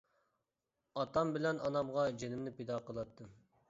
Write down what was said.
ئاتام بىلەن ئانامغا جېنىمنى پىدا قىلاتتىم.